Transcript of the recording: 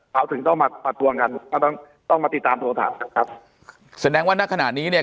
เขาถึงต้องมาติดตามโทรธันต์แสดงว่าในขณะนี้เนี่ย